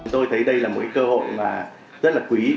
tôi thấy đây là một cơ hội mà rất là quý